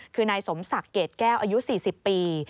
คือนายสมศักดิ์เกรดแก้วอายุ๔๐ปี